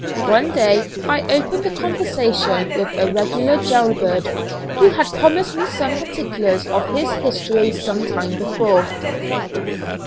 One day I opened the conversation with a regular jail bird, who had promised me some particulars of his history some time before.